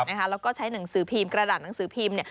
แล้วก็ใช้หนังสือพิมพ์กระดาษหนังสือพิมพ์